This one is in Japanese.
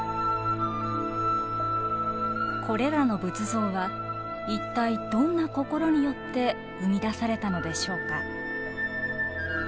これらの仏像は一体どんな心によって生み出されたのでしょうか。